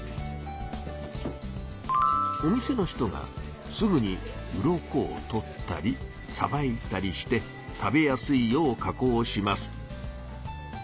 お店の人がすぐにウロコをとったりさばいたりして食べやすいよう加工します。